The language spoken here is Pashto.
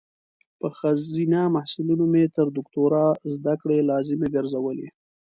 په خځینه محصلینو مې تر دوکتوری ذدکړي لازمي ګرزولي